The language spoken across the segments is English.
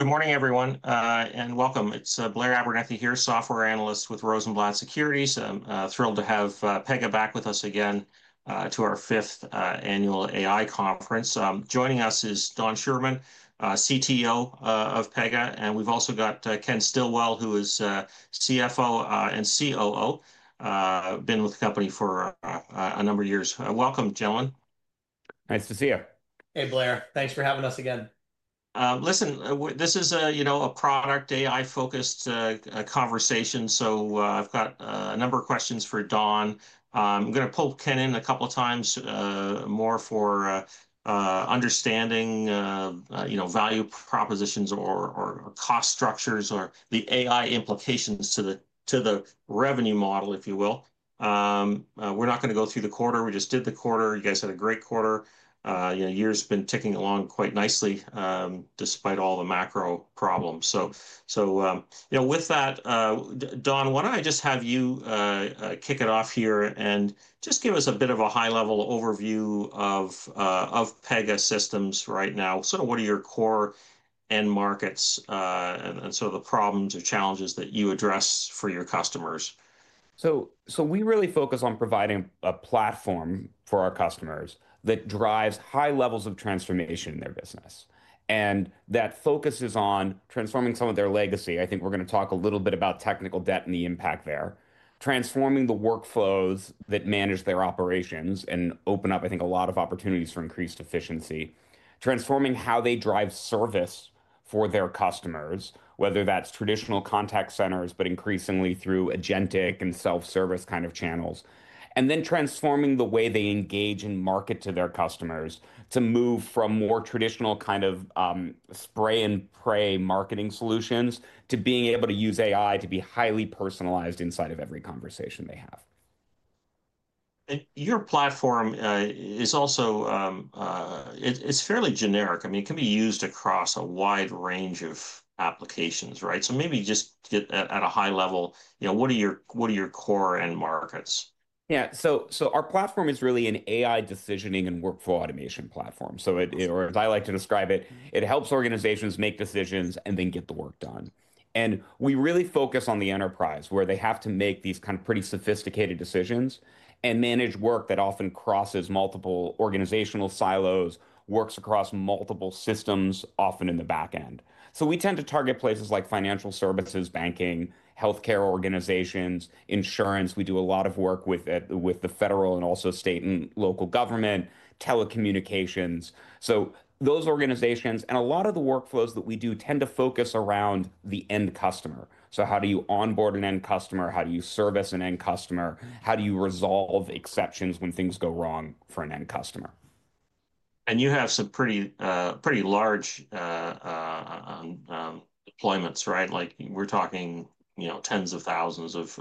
Good morning, everyone, and welcome. It's Blair Abernethy here, Software Analyst with Rosenblatt Securities. I'm thrilled to have Pega back with us again to our fifth annual AI conference. Joining us is Don Schuerman, CTO of Pega, and we've also got Ken Stillwell, who is CFO and COO, been with the company for a number of years. Welcome, gentlemen. Nice to see you. Hey, Blair. Thanks for having us again. Listen, this is a product AI-focused conversation, so I've got a number of questions for Don. I'm going to pull Ken in a couple of times more for understanding value propositions or cost structures or the AI implications to the revenue model, if you will. We're not going to go through the quarter. We just did the quarter. You guys had a great quarter. The year's been ticking along quite nicely despite all the macro problems. With that, Don, why don't I just have you kick it off here and just give us a bit of a high-level overview of Pegasystems right now? Sort of what are your core end markets and sort of the problems or challenges that you address for your customers? We really focus on providing a platform for our customers that drives high levels of transformation in their business. That focuses on transforming some of their legacy. I think we're going to talk a little bit about technical debt and the impact there. Transforming the workflows that manage their operations and open up, I think, a lot of opportunities for increased efficiency. Transforming how they drive service for their customers, whether that's traditional contact centers, but increasingly through agentic and self-service kind of channels. Then transforming the way they engage and market to their customers to move from more traditional kind of spray and pray marketing solutions to being able to use AI to be highly personalized inside of every conversation they have. Your platform is also, it's fairly generic. I mean, it can be used across a wide range of applications, right? Maybe just at a high level, you know, what are your core end markets? Yeah, our platform is really an AI decisioning and workflow automation platform. As I like to describe it, it helps organizations make decisions and then get the work done. We really focus on the enterprise where they have to make these kind of pretty sophisticated decisions and manage work that often crosses multiple organizational silos, works across multiple systems, often in the backend. We tend to target places like financial services, banking, healthcare organizations, insurance. We do a lot of work with the federal and also state and local government, telecommunications. Those organizations and a lot of the workflows that we do tend to focus around the end customer. How do you onboard an end customer? How do you service an end customer? How do you resolve exceptions when things go wrong for an end customer? You have some pretty large deployments, right? We're talking, you know, tens of thousands of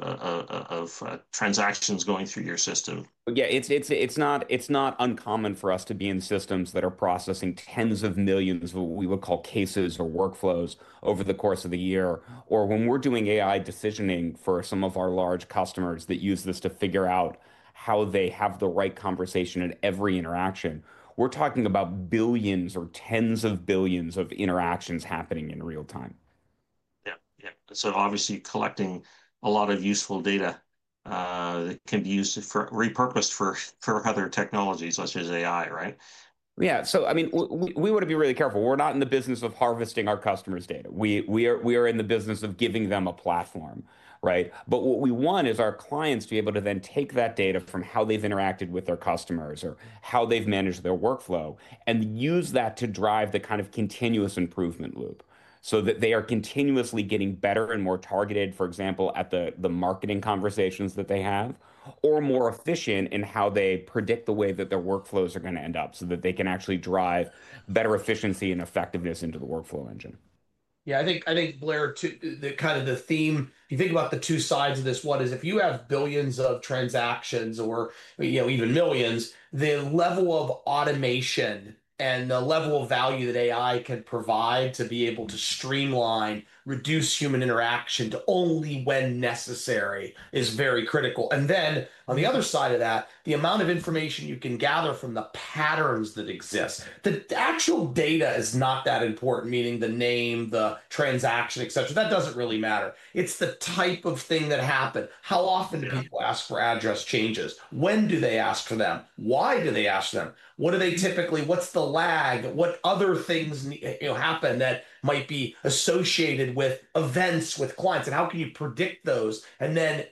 transactions going through your system. Yeah, it's not uncommon for us to be in systems that are processing tens of millions, what we would call cases or workflows, over the course of the year. When we're doing AI decisioning for some of our large customers that use this to figure out how they have the right conversation at every interaction, we're talking about billions or tens of billions of interactions happening in real time. Yeah, yeah. Obviously collecting a lot of useful data that can be used or repurposed for other technologies, such as AI, right? Yeah, we want to be really careful. We're not in the business of harvesting our customers' data. We are in the business of giving them a platform, right? What we want is our clients to be able to then take that data from how they've interacted with their customers or how they've managed their workflow and use that to drive the kind of continuous improvement loop so that they are continuously getting better and more targeted, for example, at the marketing conversations that they have or more efficient in how they predict the way that their workflows are going to end up so that they can actually drive better efficiency and effectiveness into the workflow engine. Yeah, I think, Blair, kind of the theme, you think about the two sides of this. One is if you have billions of transactions or even millions, the level of automation and the level of value that AI can provide to be able to streamline, reduce human interaction to only when necessary, is very critical. On the other side of that, the amount of information you can gather from the patterns that exist. The actual data is not that important, meaning the name, the transaction, et cetera. That doesn't really matter. It's the type of thing that happened. How often do people ask for address changes? When do they ask for them? Why do they ask for them? What do they typically, what's the lag? What other things happen that might be associated with events with clients? How can you predict those and then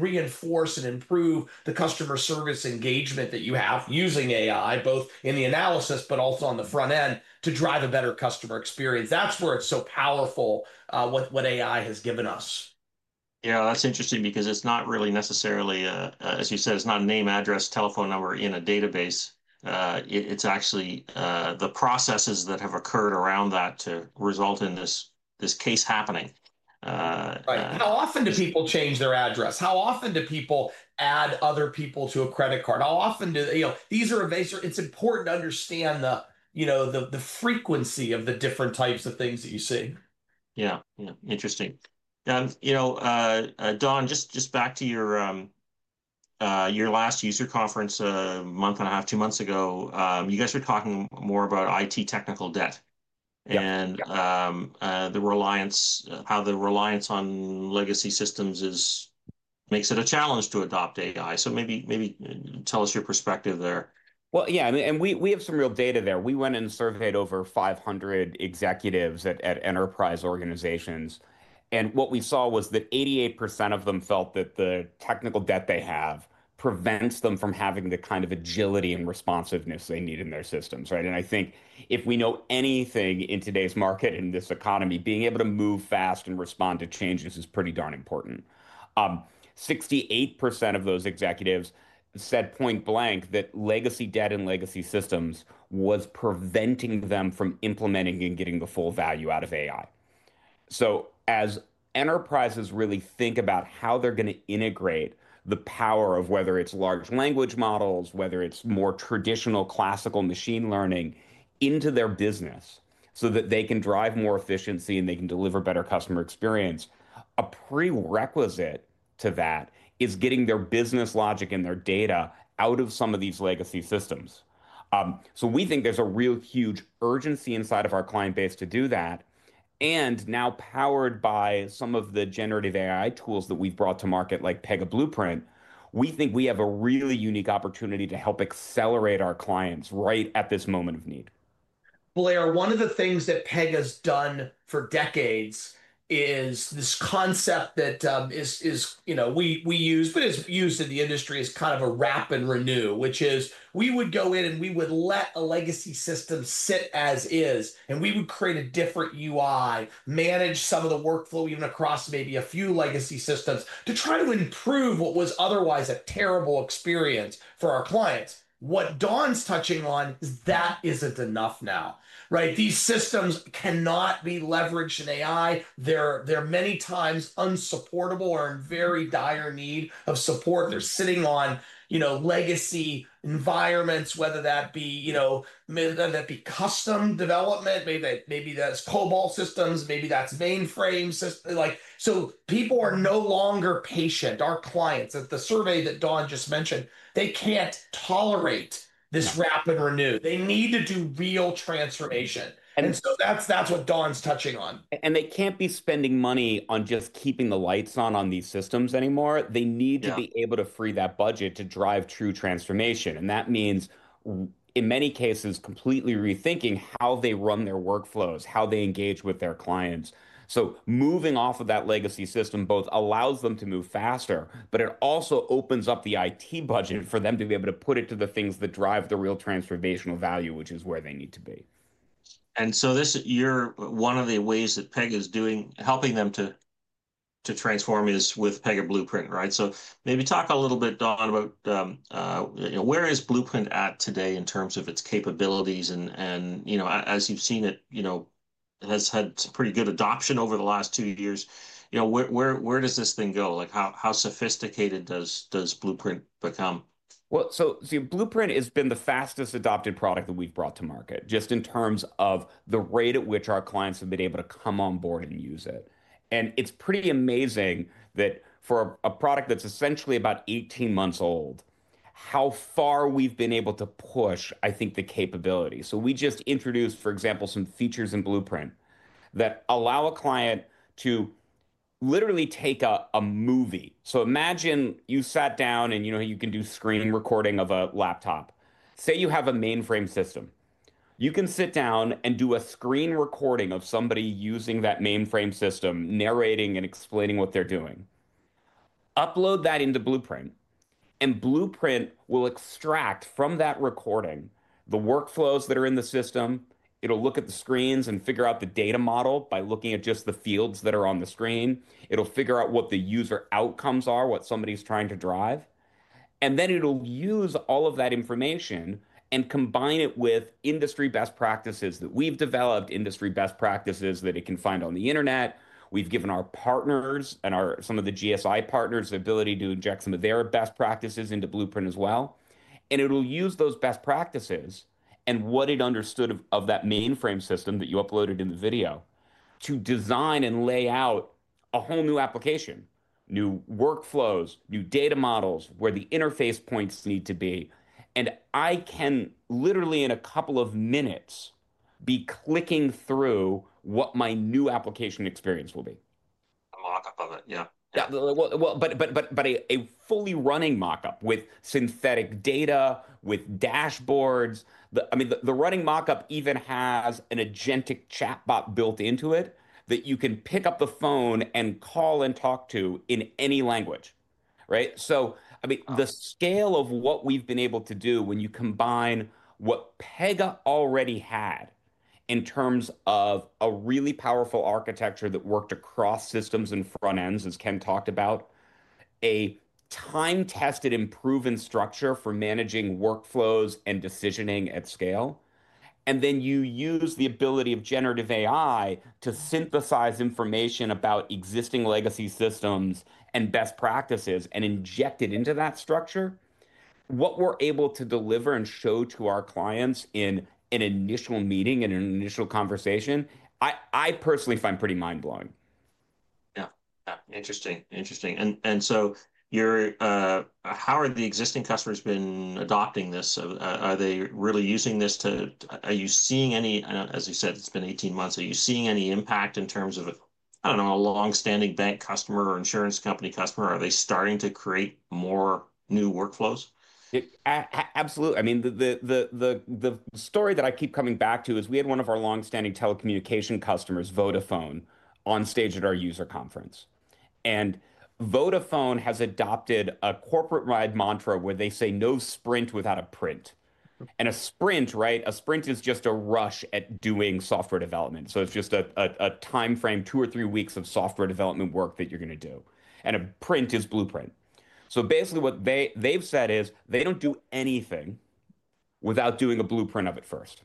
reinforce and improve the customer service engagement that you have using AI, both in the analysis but also on the front end to drive a better customer experience? That's where it's so powerful, what AI has given us. Yeah, that's interesting because it's not really necessarily, as you said, it's not a name, address, telephone number in a database. It's actually the processes that have occurred around that to result in this case happening. Right. How often do people change their address? How often do people add other people to a credit card? It's important to understand the frequency of the different types of things that you see. Yeah, interesting. Don, just back to your last user conference a month and a half, two months ago, you guys were talking more about IT technical debt and the reliance, how the reliance on legacy systems makes it a challenge to adopt AI. Maybe tell us your perspective there. We have some real data there. We went and surveyed over 500 executives at enterprise organizations. What we saw was that 88% of them felt that the technical debt they have prevents them from having the kind of agility and responsiveness they need in their systems, right? I think if we know anything in today's market, in this economy, being able to move fast and respond to changes is pretty darn important. 68% of those executives said point blank that legacy debt and legacy systems were preventing them from implementing and getting the full value out of AI. As enterprises really think about how they're going to integrate the power of whether it's large language models or more traditional classical machine learning into their business so that they can drive more efficiency and deliver better customer experience, a prerequisite to that is getting their business logic and their data out of some of these legacy systems. We think there's a real huge urgency inside of our client base to do that. Now powered by some of the generative AI tools that we've brought to market like Pega Blueprint, we think we have a really unique opportunity to help accelerate our clients right at this moment of need. Blair, one of the things that Pega's done for decades is this concept that is, you know, we use, but is used in the industry as kind of a wrap and renew, which is we would go in and we would let a legacy system sit as is, and we would create a different UI, manage some of the workflow even across maybe a few legacy systems to try to improve what was otherwise a terrible experience for our clients. What Don's touching on, that isn't enough now, right? These systems cannot be leveraged in AI. They're many times unsupportable or in very dire need of support. They're sitting on, you know, legacy environments, whether that be, you know, maybe that be custom development, maybe that's COBOL systems, maybe that's mainframe systems. People are no longer patient. Our clients at the survey that Don just mentioned, they can't tolerate this rapid renew. They need to do real transformation. That's what Don's touching on. They can't be spending money on just keeping the lights on on these systems anymore. They need to be able to free that budget to drive true transformation. That means, in many cases, completely rethinking how they run their workflows, how they engage with their clients. Moving off of that legacy system both allows them to move faster, but it also opens up the IT budget for them to be able to put it to the things that drive the real transformational value, which is where they need to be. This year, one of the ways that Pega is doing, helping them to transform is with Pega Blueprint, right? Maybe talk a little bit, Don, about where is Blueprint at today in terms of its capabilities and, as you've seen it, it has had pretty good adoption over the last two years. Where does this thing go? How sophisticated does Blueprint become? Blueprint has been the fastest adopted product that we've brought to market, just in terms of the rate at which our clients have been able to come on board and use it. It's pretty amazing that for a product that's essentially about 18 months old, how far we've been able to push, I think, the capability. For example, we just introduced some features in Blueprint that allow a client to literally take a movie. Imagine you sat down and, you know, you can do screen recording of a laptop. Say you have a mainframe system. You can sit down and do a screen recording of somebody using that mainframe system, narrating and explaining what they're doing. Upload that into Blueprint, and Blueprint will extract from that recording the workflows that are in the system. It'll look at the screens and figure out the data model by looking at just the fields that are on the screen. It'll figure out what the user outcomes are, what somebody's trying to drive, and then it'll use all of that information and combine it with industry best practices that we've developed, industry best practices that it can find on the internet. We've given our partners and some of the GSI partners the ability to inject some of their best practices into Blueprint as well. It'll use those best practices and what it understood of that mainframe system that you uploaded in the video to design and lay out a whole new application, new workflows, new data models where the interface points need to be. I can literally, in a couple of minutes, be clicking through what my new application experience will be. A mockup of it, yeah. Yeah, a fully running mockup with synthetic data, with dashboards. The running mockup even has an agentic chatbot built into it that you can pick up the phone and call and talk to in any language, right? The scale of what we've been able to do when you combine what Pega already had in terms of a really powerful architecture that worked across systems and front ends, as Ken talked about, a time-tested improvement structure for managing workflows and decisioning at scale, is significant. You use the ability of generative AI to synthesize information about existing legacy systems and best practices and inject it into that structure. What we're able to deliver and show to our clients in an initial meeting and an initial conversation, I personally find pretty mind-blowing. Interesting, interesting. How have the existing customers been adopting this? Are they really using this to, are you seeing any, as you said, it's been 18 months, are you seeing any impact in terms of, I don't know, a longstanding bank customer or insurance company customer? Are they starting to create more new workflows? Absolutely. I mean, the story that I keep coming back to is we had one of our longstanding telecommunication customers, Vodafone, on stage at our user conference. Vodafone has adopted a corporate-wide mantra where they say, "No sprint without a print." A sprint is just a rush at doing software development. It's just a timeframe, two or three weeks of software development work that you're going to do. A print is Blueprint. Basically what they've said is they don't do anything without doing a Blueprint of it first.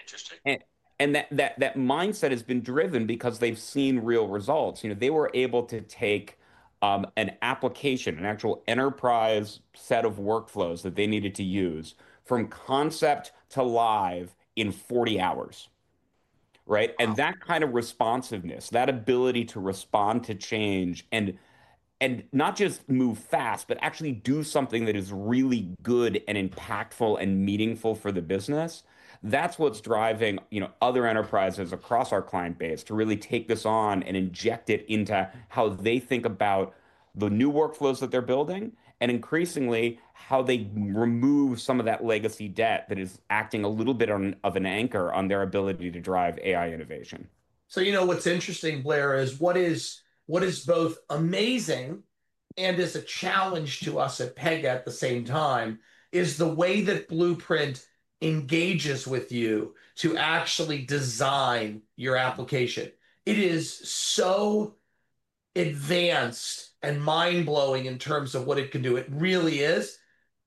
Interesting. That mindset has been driven because they've seen real results. They were able to take an application, an actual enterprise set of workflows that they needed to use from concept to live in 40 hours, right? That kind of responsiveness, that ability to respond to change and not just move fast, but actually do something that is really good and impactful and meaningful for the business, that's what's driving other enterprises across our client base to really take this on and inject it into how they think about the new workflows that they're building and increasingly how they remove some of that legacy debt that is acting a little bit of an anchor on their ability to drive AI innovation. You know, what's interesting, Blair, is what is both amazing and is a challenge to us at Pega at the same time is the way that Blueprint engages with you to actually design your application. It is so advanced and mind-blowing in terms of what it can do. It really is.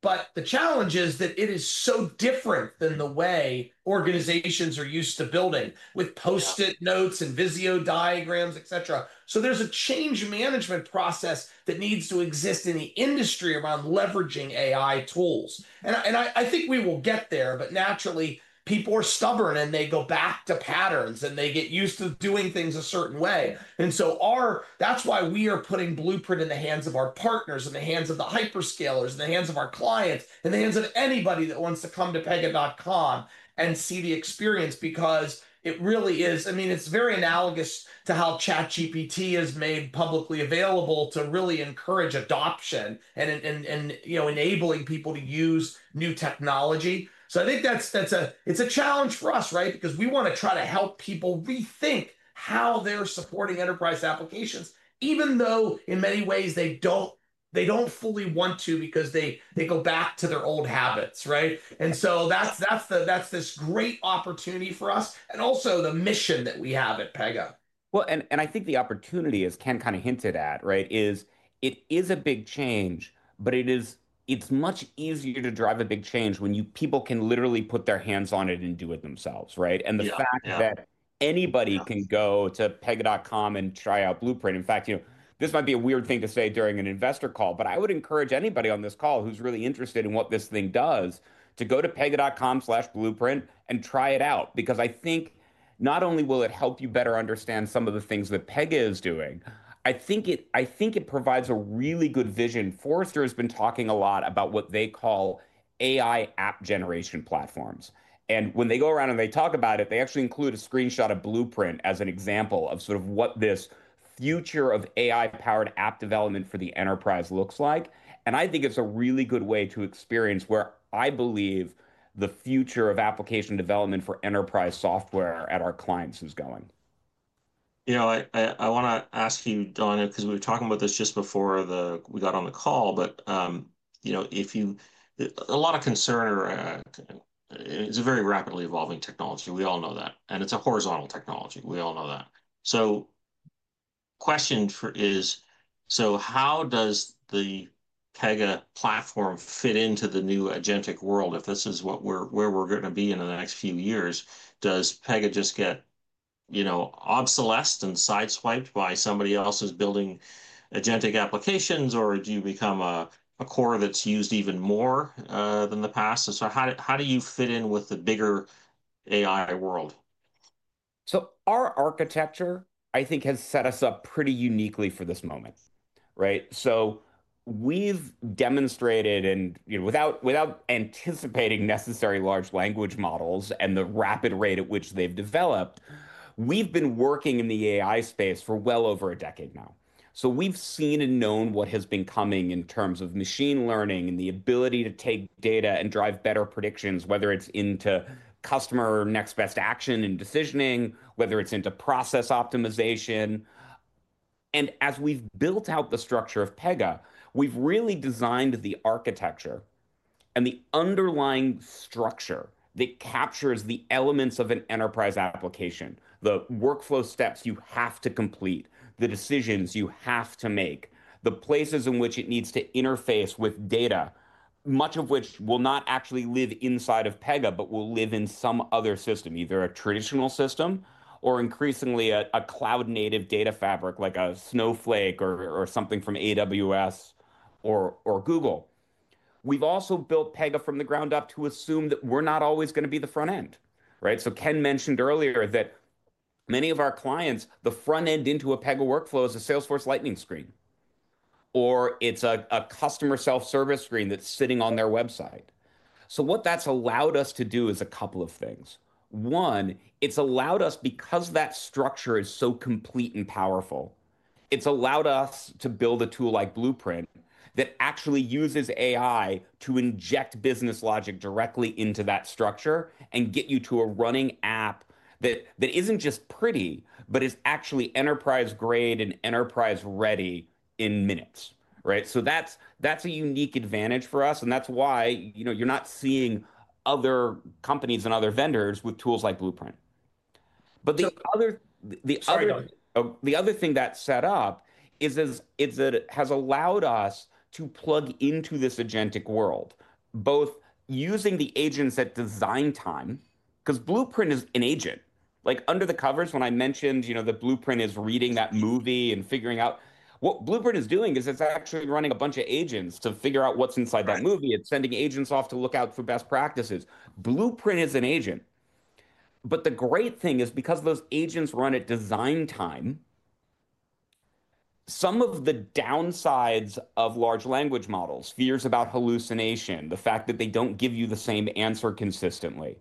The challenge is that it is so different than the way organizations are used to building with post-it notes and Visio diagrams, et cetera. There's a change management process that needs to exist in the industry around leveraging AI tools. I think we will get there, but naturally people are stubborn and they go back to patterns and they get used to doing things a certain way. That's why we are putting Blueprint in the hands of our partners, in the hands of the hyperscalers, in the hands of our clients, in the hands of anybody that wants to come to pega.com and see the experience because it really is, I mean, it's very analogous to how ChatGPT is made publicly available to really encourage adoption and enabling people to use new technology. I think that's a challenge for us, right? We want to try to help people rethink how they're supporting enterprise applications, even though in many ways they don't, they don't fully want to because they go back to their old habits, right? That's this great opportunity for us and also the mission that we have at Pega. I think the opportunity, as Ken kind of hinted at, is a big change, but it's much easier to drive a big change when people can literally put their hands on it and do it themselves, right? The fact that anybody can go to pega.com and try out Blueprint—in fact, this might be a weird thing to say during an investor call, but I would encourage anybody on this call who's really interested in what this thing does to go to pega.com/Blueprint and try it out because I think not only will it help you better understand some of the things that Pega is doing, I think it provides a really good vision. Forrester has been talking a lot about what they call AI app generation platforms. When they go around and they talk about it, they actually include a screenshot of Blueprint as an example of what this future of AI-powered app development for the enterprise looks like. I think it's a really good way to experience where I believe the future of application development for enterprise software at our clients is going. I want to ask you, Don, because we were talking about this just before we got on the call. A lot of concern is a very rapidly evolving technology. We all know that. It's a horizontal technology. We all know that. The question is, how does the Pega platform fit into the new agentic world? If this is where we're going to be in the next few years, does Pega just get obsolesced and sideswiped by somebody else building agentic applications, or do you become a core that's used even more than the past? How do you fit in with the bigger AI world? Our architecture, I think, has set us up pretty uniquely for this moment, right? We've demonstrated, and without anticipating necessarily large language models and the rapid rate at which they've developed, we've been working in the AI space for well over a decade now. We've seen and known what has been coming in terms of machine learning and the ability to take data and drive better predictions, whether it's into customer next best action and decisioning, whether it's into process optimization. As we've built out the structure of Pega, we've really designed the architecture and the underlying structure that captures the elements of an enterprise application, the workflow steps you have to complete, the decisions you have to make, the places in which it needs to interface with data, much of which will not actually live inside of Pega, but will live in some other system, either a traditional system or increasingly a cloud-native data fabric like a Snowflake or something from AWS or Google. We've also built Pega from the ground up to assume that we're not always going to be the front end, right? Ken mentioned earlier that many of our clients, the front end into a Pega workflow is a Salesforce Lightning screen, or it's a customer self-service screen that's sitting on their website. What that's allowed us to do is a couple of things. One, it's allowed us, because that structure is so complete and powerful, to build a tool like Blueprint that actually uses AI to inject business logic directly into that structure and get you to a running app that isn't just pretty, but is actually enterprise-grade and enterprise-ready in minutes, right? That's a unique advantage for us, and that's why you're not seeing other companies and other vendors with tools like Blueprint. The other thing that's set up is it has allowed us to plug into this agentic world, both using the agents at design time, because Blueprint is an agent. Under the covers, when I mentioned that Blueprint is reading that movie and figuring out what Blueprint is doing, it's actually running a bunch of agents to figure out what's inside that movie. It's sending agents off to look out for best practices. Blueprint is an agent. The great thing is because those agents run at design time, some of the downsides of large language models, fears about hallucination, the fact that they don't give you the same answer consistently,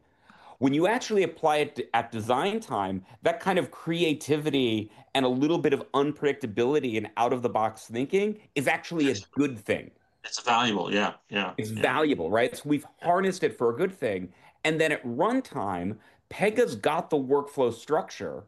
when you actually apply it at design time, that kind of creativity and a little bit of unpredictability and out-of-the-box thinking is actually a good thing. It's valuable, yeah. It's valuable, right? We've harnessed it for a good thing. At runtime, Pega has the workflow structure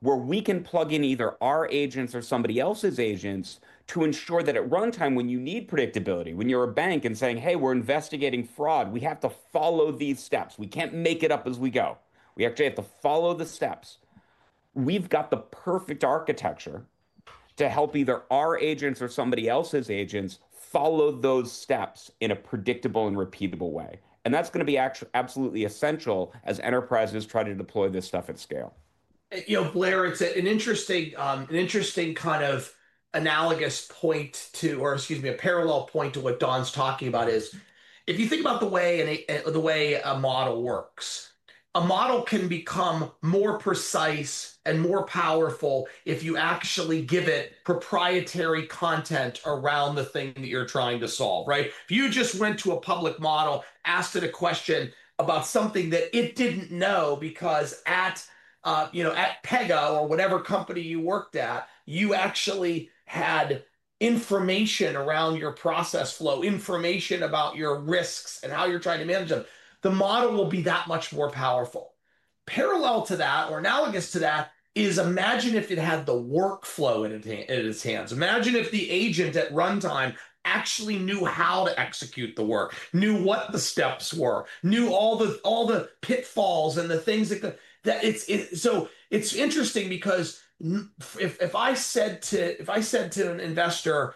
where we can plug in either our agents or somebody else's agents to ensure that at runtime, when you need predictability, when you're a bank and saying, "Hey, we're investigating fraud. We have to follow these steps. We can't make it up as we go. We actually have to follow the steps." We've got the perfect architecture to help either our agents or somebody else's agents follow those steps in a predictable and repeatable way. That's going to be absolutely essential as enterprises try to deploy this stuff at scale. You know, Blair, it's an interesting kind of parallel point to what Don's talking about. If you think about the way a model works, a model can become more precise and more powerful if you actually give it proprietary content around the thing that you're trying to solve, right? If you just went to a public model, asked it a question about something that it didn't know, because at, you know, at Pega or whatever company you worked at, you actually had information around your process flow, information about your risks and how you're trying to manage them, the model will be that much more powerful. Parallel to that, or analogous to that, is imagine if it had the workflow in its hands. Imagine if the agent at runtime actually knew how to execute the work, knew what the steps were, knew all the pitfalls and the things that could. It's interesting because if I said to an investor,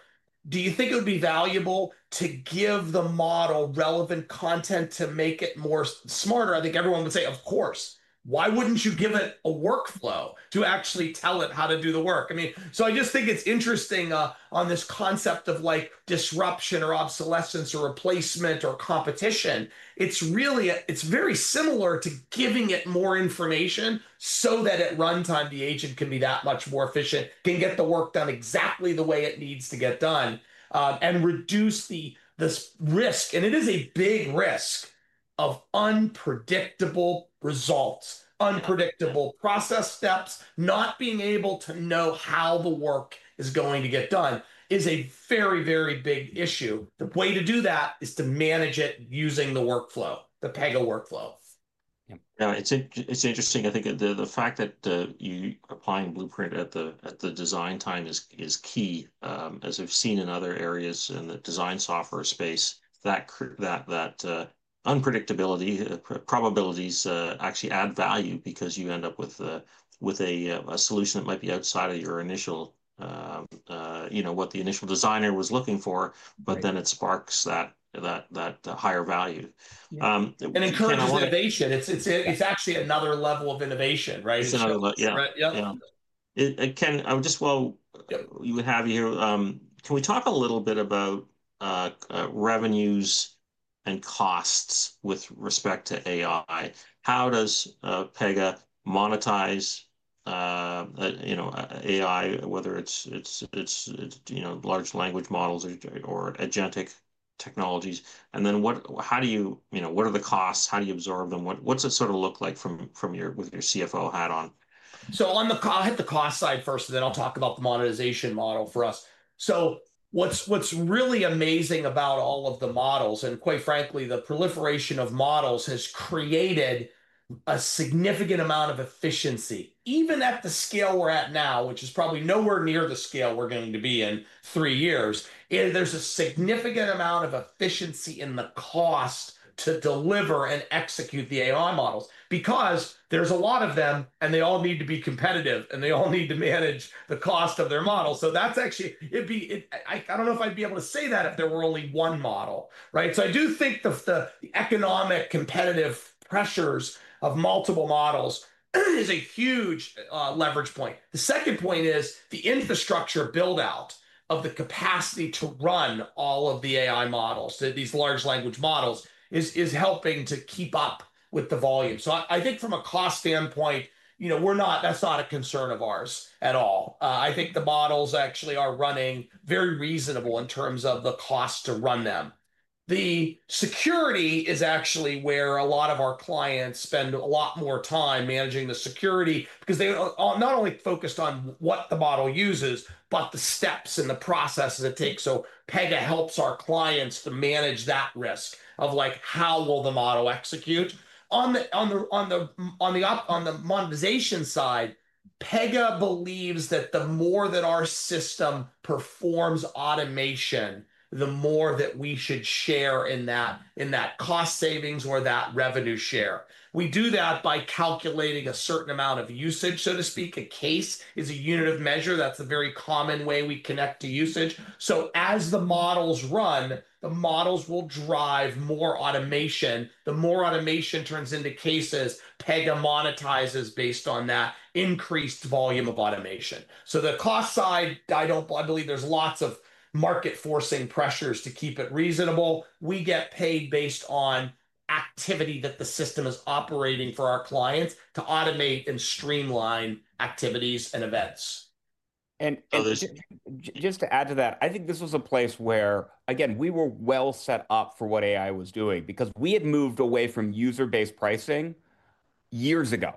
"Do you think it would be valuable to give the model relevant content to make it more smarter?" I think everyone would say, "Of course. Why wouldn't you give it a workflow to actually tell it how to do the work?" I mean, I just think it's interesting on this concept of disruption or obsolescence or replacement or competition. It's really very similar to giving it more information so that at runtime, the agent can be that much more efficient, can get the work done exactly the way it needs to get done, and reduce the risk. It is a big risk of unpredictable results, unpredictable process steps, not being able to know how the work is going to get done is a very, very big issue. The way to do that is to manage it using the workflow, the Pega workflow. Yeah, it's interesting. I think the fact that you apply Blueprint at the design time is key. As we've seen in other areas in the design software space, that unpredictability, probabilities actually add value because you end up with a solution that might be outside of your initial, you know, what the initial designer was looking for, but then it sparks that higher value. It's not innovation. It's actually another level of innovation, right? It's another level, yeah. Yeah. Ken, can we talk a little bit about revenues and costs with respect to AI? How does Pega monetize, you know, AI, whether it's, you know, large language models or agentic technologies? What, how do you, you know, what are the costs? How do you absorb them? What's it sort of look like from your CFO hat on? I'll hit the cost side first, and then I'll talk about the monetization model for us. What's really amazing about all of the models, and quite frankly, the proliferation of models has created a significant amount of efficiency, even at the scale we're at now, which is probably nowhere near the scale we're going to be in three years. There's a significant amount of efficiency in the cost to deliver and execute the AI models because there's a lot of them, and they all need to be competitive, and they all need to manage the cost of their models. I don't know if I'd be able to say that if there were only one model, right? I do think the economic competitive pressures of multiple models is a huge leverage point. The second point is the infrastructure build-out of the capacity to run all of the AI models, these large language models, is helping to keep up with the volume. I think from a cost standpoint, we're not, that's not a concern of ours at all. I think the models actually are running very reasonable in terms of the cost to run them. The security is actually where a lot of our clients spend a lot more time managing the security because they are not only focused on what the model uses, but the steps and the processes it takes. Pega helps our clients to manage that risk of how the model will execute. On the monetization side, Pega believes that the more that our system performs automation, the more that we should share in that cost savings or that revenue share. We do that by calculating a certain amount of usage, so to speak. A case is a unit of measure. That's a very common way we connect to usage. As the models run, the models will drive more automation. The more automation turns into cases, Pega monetizes based on that increased volume of automation. The cost side, I believe there's lots of market forcing pressures to keep it reasonable. We get paid based on activity that the system is operating for our clients to automate and streamline activities and events. To add to that, I think this was a place where, again, we were well set up for what AI was doing because we had moved away from user-based pricing years ago,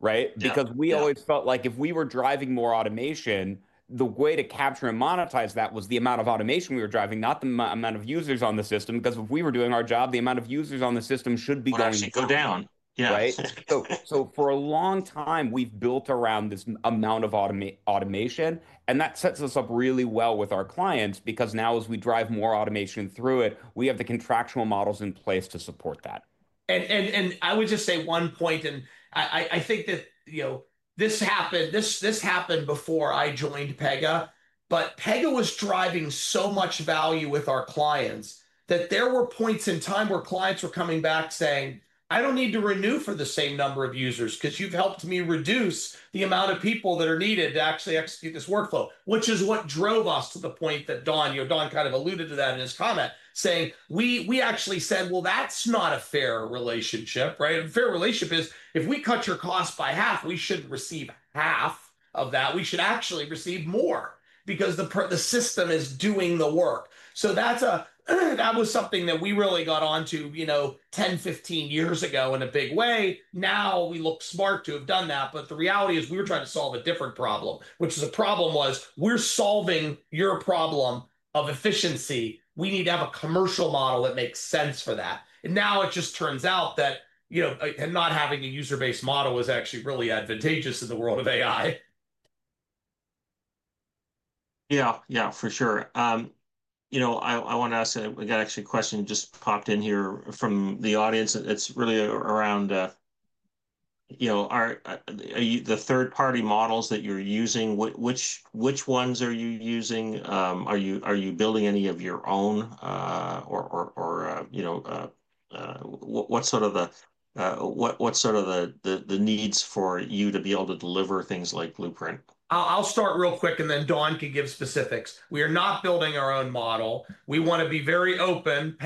right? We always felt like if we were driving more automation, the way to capture and monetize that was the amount of automation we were driving, not the amount of users on the system. If we were doing our job, the amount of users on the system should be going to go down, right? For a long time, we've built around this amount of automation. That sets us up really well with our clients because now as we drive more automation through it, we have the contractual models in place to support that. I would just say one point, and I think that, you know, this happened before I joined Pega, but Pega was driving so much value with our clients that there were points in time where clients were coming back saying, "I don't need to renew for the same number of users because you've helped me reduce the amount of people that are needed to actually execute this workflow," which is what drove us to the point that Don, you know, Don kind of alluded to that in his comment, saying we actually said, "That's not a fair relationship," right? A fair relationship is if we cut your cost by half, we shouldn't receive half of that. We should actually receive more because the system is doing the work. That was something that we really got onto, you know, 10, 15 years ago in a big way. Now we look smart to have done that, but the reality is we were trying to solve a different problem, which is we were solving your problem of efficiency. We need to have a commercial model that makes sense for that. Now it just turns out that, you know, not having a user-based model is actually really advantageous in the world of AI. Yeah, yeah, for sure. I want to ask, we got a question just popped in here from the audience. It's really around the third-party models that you're using. Which ones are you using? Are you building any of your own, or what's sort of the needs for you to be able to deliver things like Blueprint? I'll start real quick and then Don could give specifics. We are not building our own model. We want to be very open.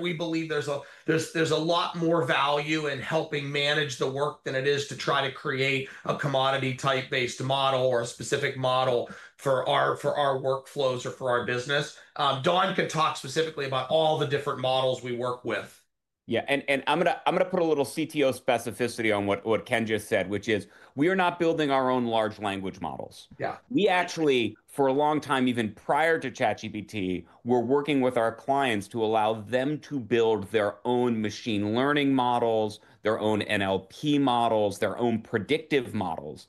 We believe there's a lot more value in helping manage the work than it is to try to create a commodity type-based model or a specific model for our workflows or for our business. Don can talk specifically about all the different models we work with. Yeah, and I'm going to put a little CTO specificity on what Ken just said, which is we are not building our own large language models. Yeah. We actually, for a long time, even prior to ChatGPT, were working with our clients to allow them to build their own machine learning models, their own NLP models, their own predictive models.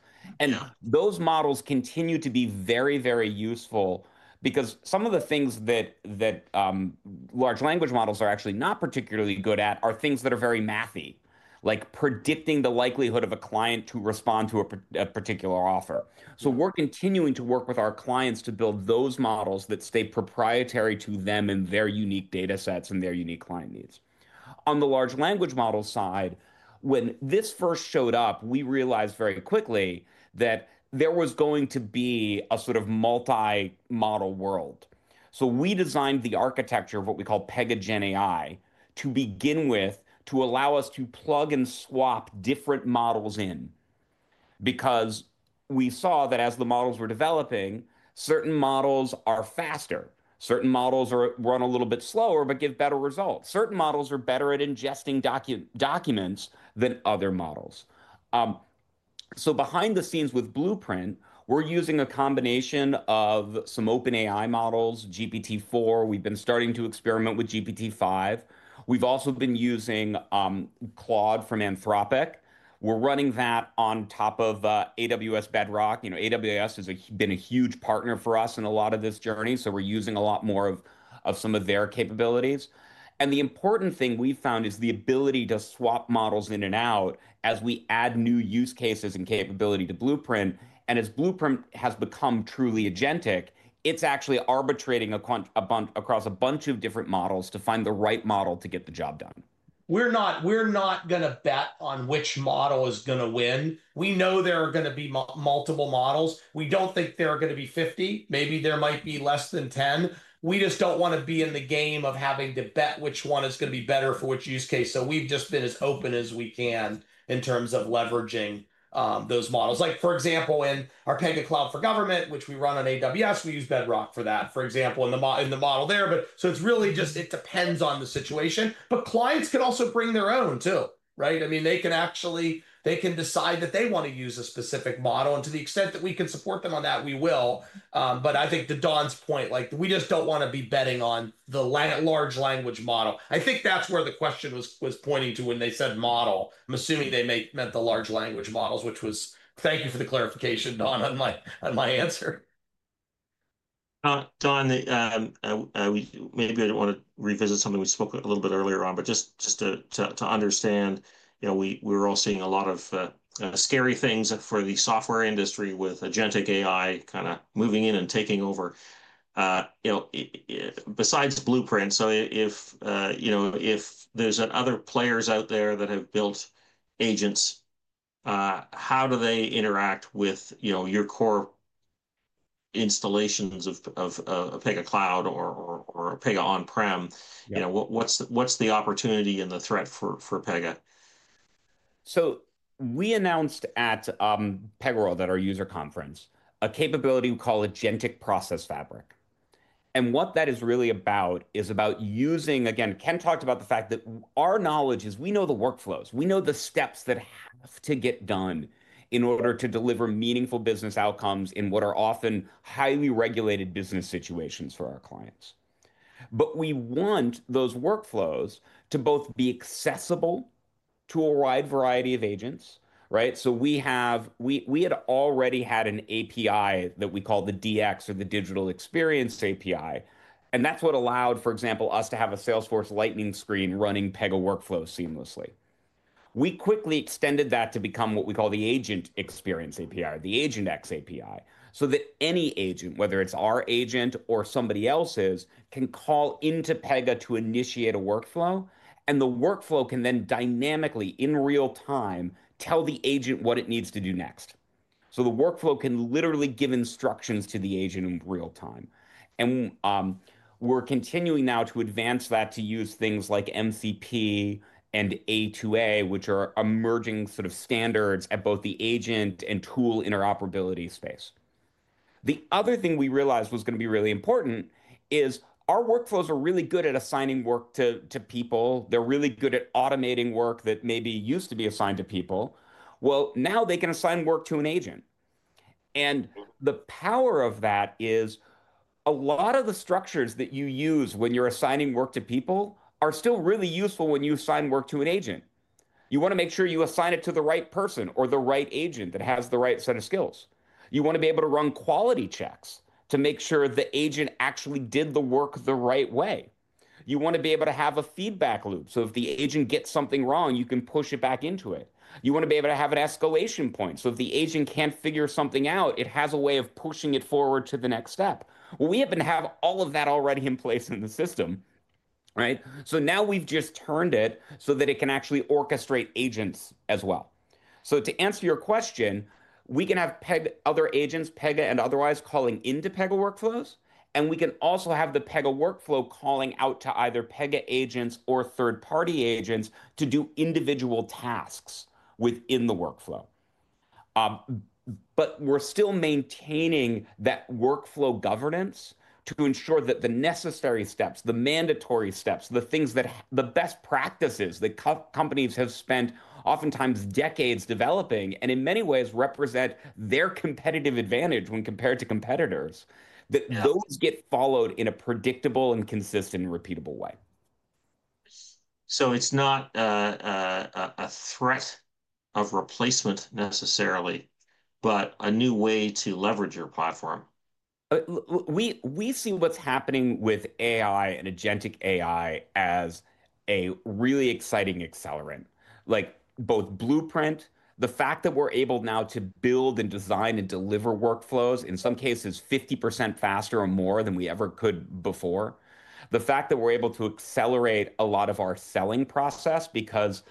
Those models continue to be very, very useful because some of the things that large language models are actually not particularly good at are things that are very mathy, like predicting the likelihood of a client to respond to a particular offer. We're continuing to work with our clients to build those models that stay proprietary to them and their unique data sets and their unique client needs. On the large language model side, when this first showed up, we realized very quickly that there was going to be a sort of multi-model world. We designed the architecture of what we call Pega GenAI to begin with to allow us to plug and swap different models in because we saw that as the models were developing, certain models are faster, certain models run a little bit slower but give better results. Certain models are better at ingesting documents than other models. Behind the scenes with Blueprint, we're using a combination of some OpenAI models, GPT-4. We've been starting to experiment with GPT-5. We've also been using Claude from Anthropic. We're running that on top of AWS Bedrock. AWS has been a huge partner for us in a lot of this journey. We're using a lot more of some of their capabilities. The important thing we found is the ability to swap models in and out as we add new use cases and capability to Blueprint. As Blueprint has become truly agentic, it's actually arbitrating across a bunch of different models to find the right model to get the job done. We're not going to bet on which model is going to win. We know there are going to be multiple models. We don't think there are going to be 50. Maybe there might be less than 10. We just don't want to be in the game of having to bet which one is going to be better for which use case. We've just been as open as we can in terms of leveraging those models. For example, in our Pega Cloud for Government, which we run on AWS, we use Bedrock for that, for example, in the model there. It really just depends on the situation. Clients can also bring their own too, right? I mean, they can actually decide that they want to use a specific model. To the extent that we can support them on that, we will. I think to Don's point, we just don't want to be betting on the large language model. I think that's where the question was pointing to when they said model. I'm assuming they meant the large language models, which was, thank you for the clarification, Don, on my answer. Don, maybe I don't want to revisit something we spoke a little bit earlier on, but just to understand, you know, we were all seeing a lot of scary things for the software industry with agentic AI kind of moving in and taking over. You know, besides Blueprint, if there's other players out there that have built agents, how do they interact with your core installations of Pega Cloud or Pega On-Prem? You know, what's the opportunity and the threat for Pega? We announced at PegaWorld, our user conference, a capability we call Agentic Process Fabric. What that is really about is using, again, Ken talked about the fact that our knowledge is we know the workflows. We know the steps that have to get done in order to deliver meaningful business outcomes in what are often highly regulated business situations for our clients. We want those workflows to both be accessible to a wide variety of agents, right? We had already had an API that we call the DX or the Digital Experience API. That's what allowed, for example, us to have a Salesforce Lightning screen running Pega workflow seamlessly. We quickly extended that to become what we call the Agent Experience API, the AgentX API, so that any agent, whether it's our agent or somebody else's, can call into Pega to initiate a workflow. The workflow can then dynamically, in real time, tell the agent what it needs to do next. The workflow can literally give instructions to the agent in real time. We're continuing now to advance that to use things like MCP and A2A, which are emerging sort of standards at both the agent and tool interoperability space. The other thing we realized was going to be really important is our workflows are really good at assigning work to people. They're really good at automating work that maybe used to be assigned to people. Now they can assign work to an agent. The power of that is a lot of the structures that you use when you're assigning work to people are still really useful when you assign work to an agent. You want to make sure you assign it to the right person or the right agent that has the right set of skills. You want to be able to run quality checks to make sure the agent actually did the work the right way. You want to be able to have a feedback loop. If the agent gets something wrong, you can push it back into it. You want to be able to have an escalation point. If the agent can't figure something out, it has a way of pushing it forward to the next step. We even have all of that already in place in the system, right? Now we've just turned it so that it can actually orchestrate agents as well. To answer your question, we can have other agents, Pega and otherwise, calling into Pega workflows. We can also have the Pega workflow calling out to either Pega agents or third-party agents to do individual tasks within the workflow. We are still maintaining that workflow governance to ensure that the necessary steps, the mandatory steps, the best practices that companies have spent, oftentimes, decades developing, and in many ways represent their competitive advantage when compared to competitors, get followed in a predictable, consistent, and repeatable way. It is not a threat of replacement necessarily, but a new way to leverage your platform. We've seen what's happening with AI and agentic AI as a really exciting accelerant. Like both Blueprint, the fact that we're able now to build and design and deliver workflows, in some cases 50% faster or more than we ever could before. The fact that we're able to accelerate a lot of our selling process because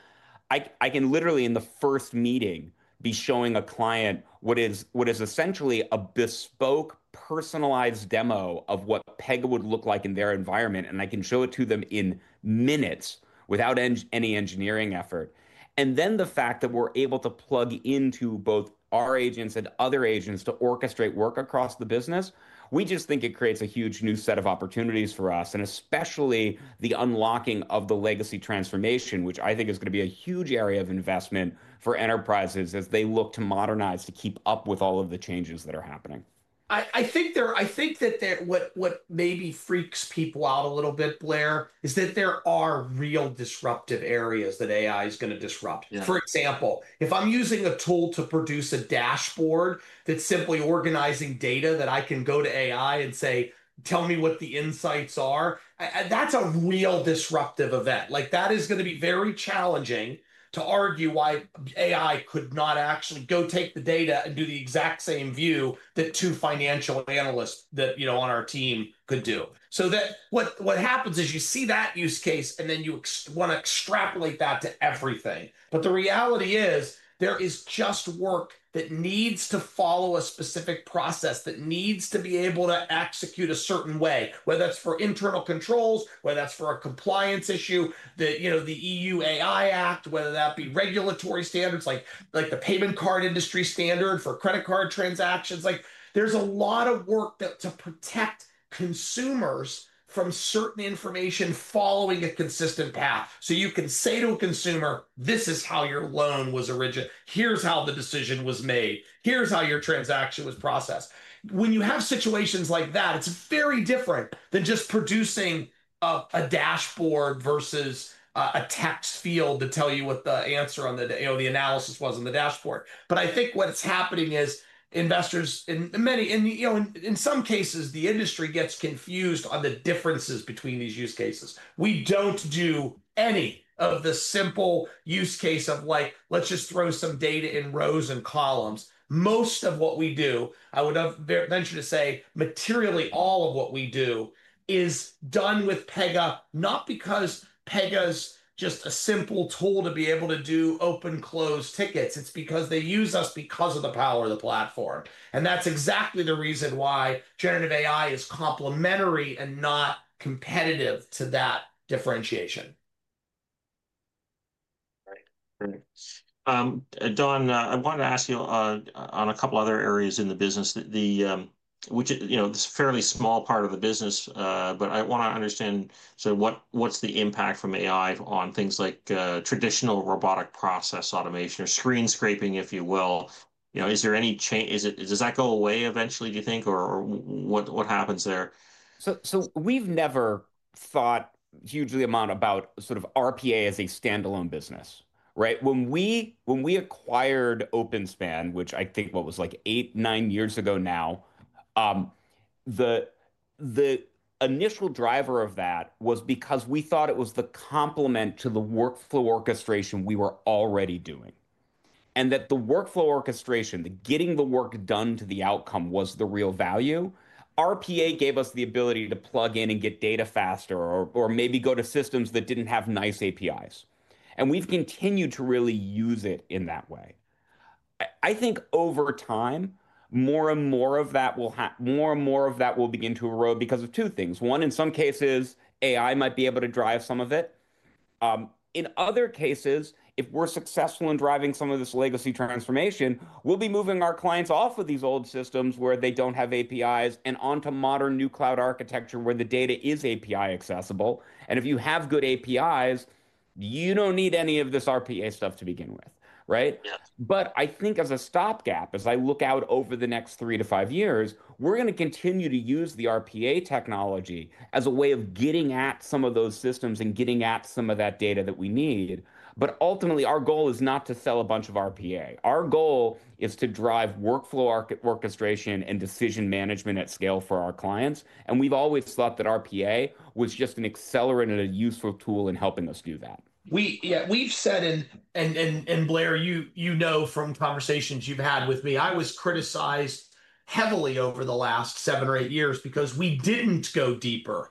I can literally, in the first meeting, be showing a client what is essentially a bespoke personalized demo of what Pega would look like in their environment. I can show it to them in minutes without any engineering effort. The fact that we're able to plug into both our agents and other agents to orchestrate work across the business, we just think it creates a huge new set of opportunities for us, especially the unlocking of the legacy transformation, which I think is going to be a huge area of investment for enterprises as they look to modernize to keep up with all of the changes that are happening. I think that what maybe freaks people out a little bit, Blair, is that there are real disruptive areas that AI is going to disrupt. For example, if I'm using a tool to produce a dashboard that's simply organizing data that I can go to AI and say, "Tell me what the insights are," that's a real disruptive event. That is going to be very challenging to argue why AI could not actually go take the data and do the exact same view that two financial analysts on our team could do. What happens is you see that use case and then you want to extrapolate that to everything. The reality is there is just work that needs to follow a specific process, that needs to be able to execute a certain way, whether that's for internal controls, whether that's for a compliance issue, the E.U., AI Act, whether that be regulatory standards, like the payment card industry standard for credit card transactions. There is a lot of work to protect consumers from certain information following a consistent path. You can say to a consumer, "This is how your loan was originated. Here's how the decision was made. Here's how your transaction was processed." When you have situations like that, it's very different than just producing a dashboard versus a text field to tell you what the answer on the analysis was on the dashboard. I think what's happening is investors in many, and you know, in some cases, the industry gets confused on the differences between these use cases. We don't do any of the simple use case of like, "Let's just throw some data in rows and columns." Most of what we do, I would venture to say, materially, all of what we do is done with Pega, not because Pega is just a simple tool to be able to do open-close tickets. It's because they use us because of the power of the platform. That's exactly the reason why generative AI is complementary and not competitive to that differentiation. Don, I want to ask you on a couple of other areas in the business, which is a fairly small part of the business, but I want to understand sort of what's the impact from AI on things like traditional robotic process automation or screen scraping, if you will. Is there any change, does that go away eventually, do you think, or what happens there? We've never thought hugely about sort of RPA as a standalone business, right? When we acquired OpenSpan, which I think was like eight, nine years ago now, the initial driver of that was because we thought it was the complement to the workflow orchestration we were already doing. The workflow orchestration, the getting the work done to the outcome, was the real value. RPA gave us the ability to plug in and get data faster or maybe go to systems that didn't have nice APIs. We've continued to really use it in that way. I think over time, more and more of that will happen, more and more of that will begin to erode because of two things. One, in some cases, AI might be able to drive some of it. In other cases, if we're successful in driving some of this legacy transformation, we'll be moving our clients off of these old systems where they don't have APIs and onto modern new cloud architecture where the data is API accessible. If you have good APIs, you don't need any of this RPA stuff to begin with, right? I think as a stopgap, as I look out over the next three to five years, we're going to continue to use the RPA technology as a way of getting at some of those systems and getting at some of that data that we need. Ultimately, our goal is not to sell a bunch of RPA. Our goal is to drive workflow orchestration and decision management at scale for our clients. We've always thought that RPA was just an accelerant and a useful tool in helping us do that. Yeah, we've said, and Blair, you know from conversations you've had with me, I was criticized heavily over the last seven or eight years because we didn't go deeper into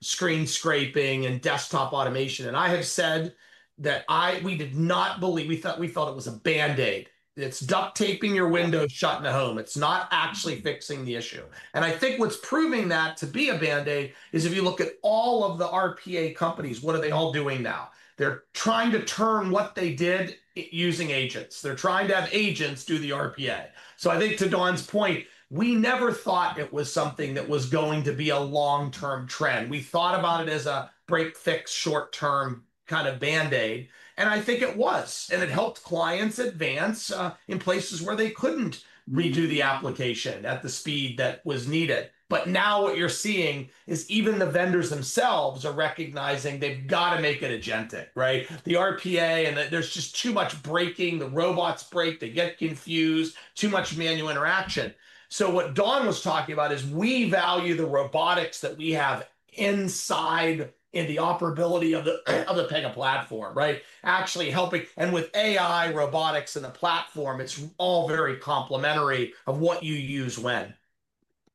screen scraping and desktop automation. I have said that we did not believe, we thought it was a band-aid. It's duct taping your windows shut in the home. It's not actually fixing the issue. I think what's proving that to be a band-aid is if you look at all of the RPA companies, what are they all doing now? They're trying to turn what they did using agents. They're trying to have agents do the RPA. I think to Don's point, we never thought it was something that was going to be a long-term trend. We thought about it as a break-fix short-term kind of band-aid. I think it was. It helped clients advance in places where they couldn't redo the application at the speed that was needed. Now what you're seeing is even the vendors themselves are recognizing they've got to make it agentic, right? The RPA, and there's just too much breaking. The robots break, they get confused, too much manual interaction. What Don was talking about is we value the robotics that we have inside in the operability of the Pega platform, right? Actually helping, and with AI robotics and the platform, it's all very complementary of what you use when.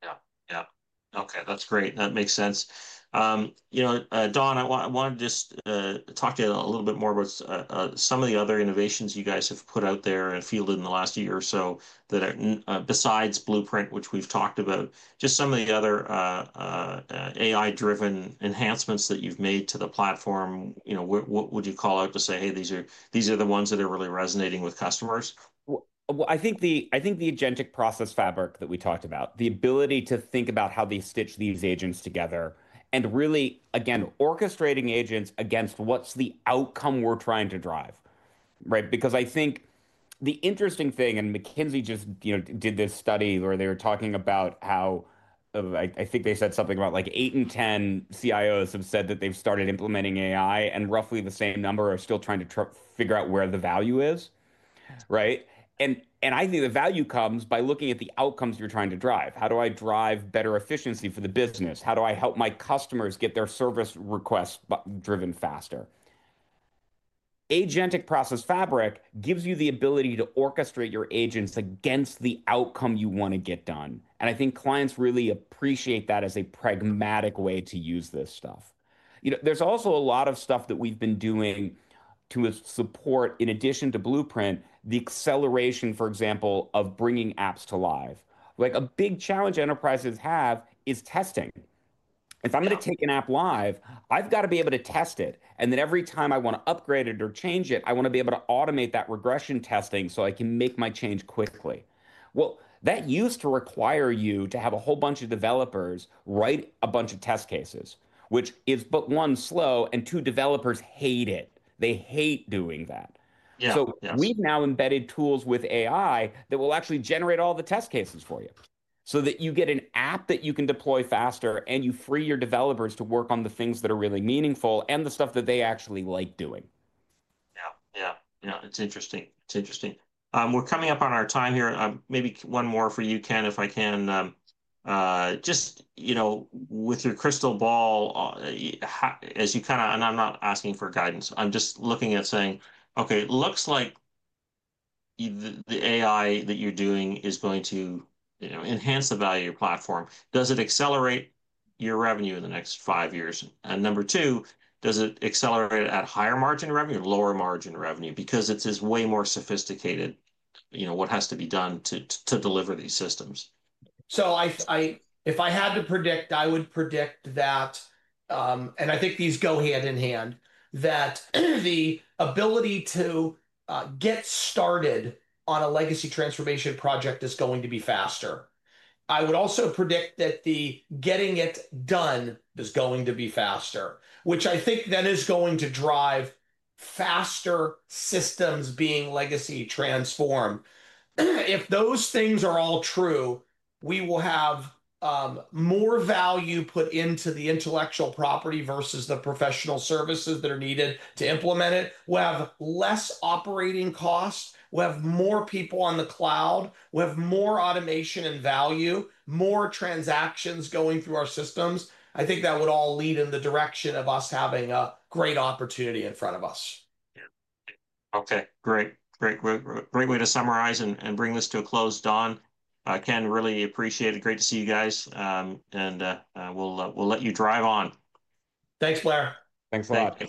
Yeah, yeah. Okay, that's great. That makes sense. You know, Don, I wanted to just talk to you a little bit more about some of the other innovations you guys have put out there in the field in the last year or so that, besides Blueprint, which we've talked about, just some of the other AI-driven enhancements that you've made to the platform. You know, what would you call it to say, "Hey, these are the ones that are really resonating with customers? I think the Agentic Process Fabric that we talked about, the ability to think about how they stitch these agents together and really, again, orchestrating agents against what's the outcome we're trying to drive, right? I think the interesting thing, and McKinsey just did this study where they were talking about how, I think they said something about like 8 in 10 CIOs have said that they've started implementing AI, and roughly the same number are still trying to figure out where the value is, right? I think the value comes by looking at the outcomes you're trying to drive. How do I drive better efficiency for the business? How do I help my customers get their service requests driven faster? Agentic Process Fabric gives you the ability to orchestrate your agents against the outcome you want to get done. I think clients really appreciate that as a pragmatic way to use this stuff. There's also a lot of stuff that we've been doing to support, in addition to Blueprint, the acceleration, for example, of bringing apps to live. Like a big challenge enterprises have is testing. If I'm going to take an app live, I've got to be able to test it. Every time I want to upgrade it or change it, I want to be able to automate that regression testing so I can make my change quickly. That used to require you to have a whole bunch of developers write a bunch of test cases, which is, but one, slow, and two, developers hate it. They hate doing that. We've now embedded tools with AI that will actually generate all the test cases for you so that you get an app that you can deploy faster and you free your developers to work on the things that are really meaningful and the stuff that they actually like doing. Yeah, it's interesting. We're coming up on our time here. Maybe one more for you, Ken, if I can. Just, you know, with your crystal ball, as you kind of, and I'm not asking for guidance, I'm just looking at saying, okay, it looks like the AI that you're doing is going to enhance the value of your platform. Does it accelerate your revenue in the next five years? And number two, does it accelerate at higher margin revenue or lower margin revenue? Because it's way more sophisticated, you know, what has to be done to deliver these systems. If I had to predict, I would predict that, and I think these go hand in hand, that the ability to get started on a legacy transformation project is going to be faster. I would also predict that the getting it done is going to be faster, which I think then is going to drive faster systems being legacy transformed. If those things are all true, we will have more value put into the intellectual property versus the professional services that are needed to implement it. We'll have less operating costs, more people on the cloud, more automation and value, and more transactions going through our systems. I think that would all lead in the direction of us having a great opportunity in front of us. Okay, great, great, great way to summarize and bring this to a close. Don, Ken, really appreciate it. Great to see you guys. We'll let you drive on. Thanks, Blair. Thanks.